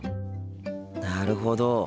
なるほど。